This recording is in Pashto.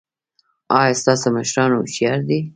ایا ستاسو مشران هوښیار دي؟